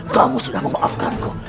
kamu sudah memaafkanku